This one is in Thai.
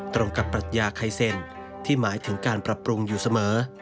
ตรงกับปรัชญาไคเซ็นที่หมายถึงการปรับปรุงอยู่เสมอ